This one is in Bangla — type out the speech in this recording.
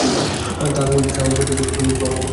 তাঁহার উৎসাহস্রোত যথাপথে প্রবাহিত হইতেছিল না।